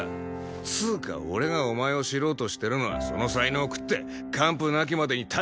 っつうか俺がお前を知ろうとしてるのはその才能を喰って完膚なきまでにたたき潰すためだ。